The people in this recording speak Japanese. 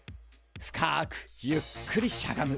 深くゆっくりしゃがむ。